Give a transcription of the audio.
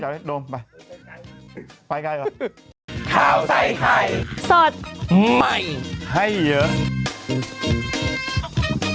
เอาเลยโดมไปไปไกลเหรอขาวใส่ไข่สดใหม่ให้เยอะ